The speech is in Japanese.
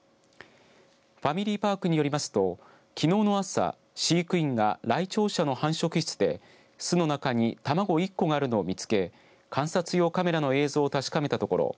ファミリーパークによりますときのうの朝、飼育員がライチョウ舎の繁殖室で巣の中にたまご１個があるのを見つけ観察用カメラの映像を確かめたところ